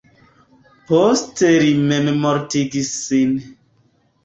Poste li memmortigis sin.